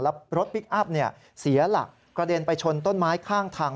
แล้วรถพลิกอัพเสียหลักกระเด็นไปชนต้นไม้ข้างทาง